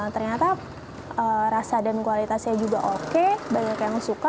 ternyata rasa dan kualitasnya juga oke banyak yang suka